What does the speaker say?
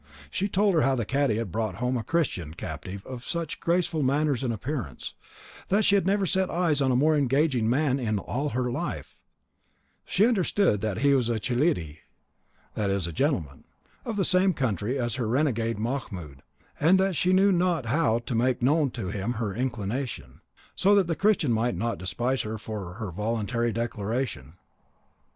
She told her how the cadi had brought home a Christian captive of such graceful manners and appearance, that she had never set eyes on a more engaging man in all her life; she understood that he was a chilidi (that is, a gentleman) of the same country as her renegade Mahmoud, and she knew not how to make known to him her inclination, so that the Christian might not despise her for her voluntary declaration.